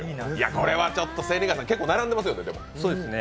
これはちょっと千里眼さん結構並んでますよね？